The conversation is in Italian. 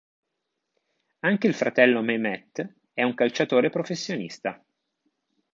Anche il fratello Mehmet è un calciatore professionista.